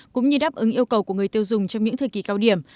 cũng như đáp ứng yêu cầu của người tiêu dùng trong những thời kỳ cao điểm